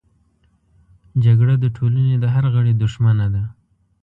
جګړه د ټولنې د هر غړي دښمنه ده